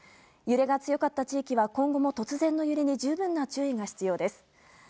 揺れが強かった地域は今後も突然の地震に十分な注意が必要です。